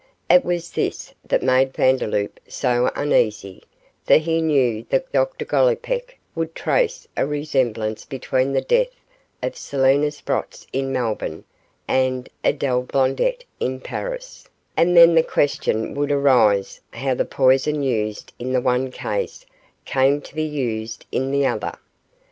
It was this that made Vandeloup so uneasy, for he knew that Dr Gollipeck would trace a resemblance between the death of Selina Sprotts in Melbourne and Adele Blondet in Paris, and then the question would arise how the poison used in the one case came to be used in the other.